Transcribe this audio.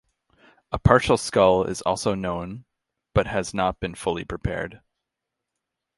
A partial skull is also known but has not been fully prepared.